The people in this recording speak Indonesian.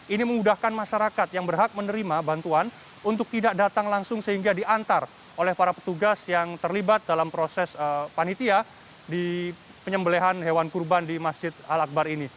ini memudahkan masyarakat yang berhak menerima bantuan untuk tidak datang langsung sehingga diantar oleh para petugas yang terlibat dalam proses panitia di penyembelehan hewan kurban di masjid al akbar ini